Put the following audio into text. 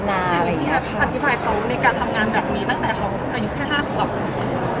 มีการทำงานแบบนี้ต้องตกลงกันก่อน